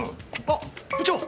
あっ部長！